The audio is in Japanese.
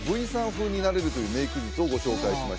風になれるというメイク術をご紹介しました